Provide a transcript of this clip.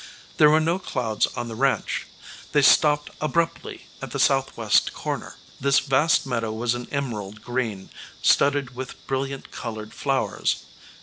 There were no clouds on the ranch; they stopped abruptly at the southwest corner. This vast meadow was an emerald green, studded with brilliant colored flowers.